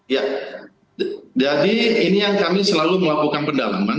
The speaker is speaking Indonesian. ya jadi ini yang kami selalu melakukan pendalaman